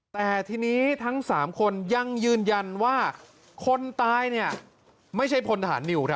แต่ทีนี้ทั้ง๓คนยังยืนยันว่าคนตายเนี่ยไม่ใช่พลทหารนิวครับ